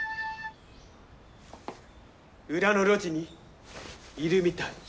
裏の路地にいるみたい。